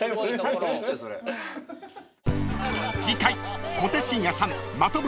［次回］